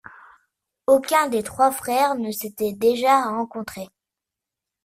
Aucun des trois frères ne s'était déjà rencontré.